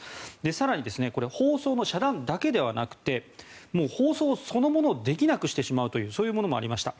更に放送の遮断だけではなくて放送そのものをできなくしてしまうというものもありました。